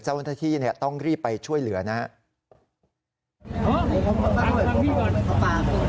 เจ้าหน้าที่ต้องรีบไปช่วยเหลือนะครับ